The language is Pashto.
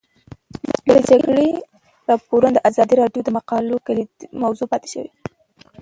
د جګړې راپورونه د ازادي راډیو د مقالو کلیدي موضوع پاتې شوی.